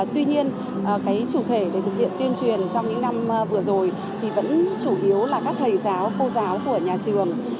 tuy nhiên cái chủ thể để thực hiện tuyên truyền trong những năm vừa rồi thì vẫn chủ yếu là các thầy giáo cô giáo của nhà trường